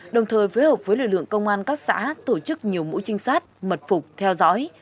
đồng thời phối hợp với lực lượng công an các xã tổ chức nhiều mũi trinh sát mật phục theo dõi